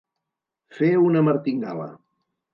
Fer una martingala.